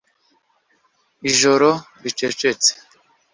Ijoro ricecetse